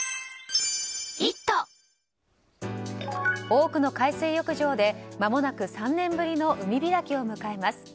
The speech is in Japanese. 多くの海水浴場でまもなく３年ぶりの海開きを迎えます。